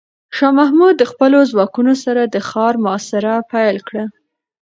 شاه محمود د خپلو ځواکونو سره د ښار محاصره پیل کړه.